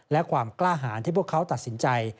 และความกล้าหารที่พวกเขาตัดสินใจ